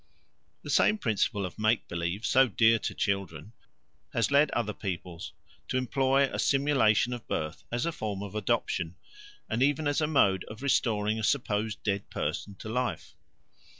The same principle of make believe, so dear to children, has led other peoples to employ a simulation of birth as a form of adoption, and even as a mode of restoring a supposed dead person to life.